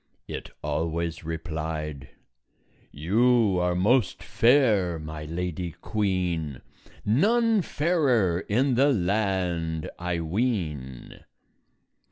it always replied, "You are most fair, my Lady Queen; None fairer in the land, I ween."